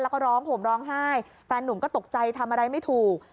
แล้วก็ร้องห่มร้องไห้แฟนหนุ่มก็ตกใจทำอะไรไม่ถูก